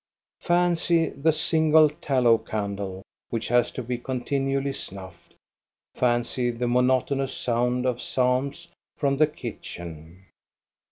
Fancy the single tallow candle, which has to be continually snuffed ! Fancy the monotonous sound of psalms from the kitchen!